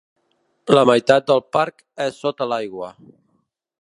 La meitat del parc és sota l'aigua.